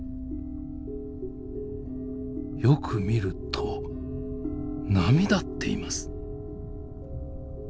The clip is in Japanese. よく見ると波立っています。